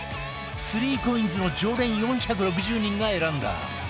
３ＣＯＩＮＳ の常連４６０人が選んだ